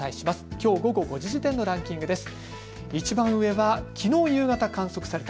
きょう午後５時時点のランキングです。